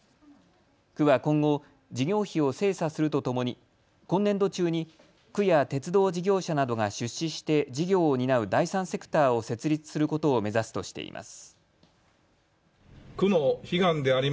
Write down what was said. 区は今後、事業費を精査するとともに今年度中に区や鉄道事業者などが出資して事業を担う第三セクターを設立することを目指すとしています。